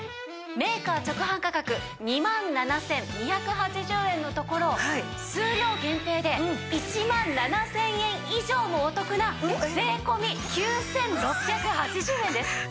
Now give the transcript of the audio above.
メーカー直販価格２万７２８０円のところ数量限定で１万７０００円以上もお得な税込９６８０円です。